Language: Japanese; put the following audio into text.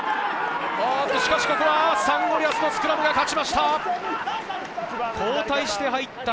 しかしここはサンゴリアスのスクラムが勝ちました。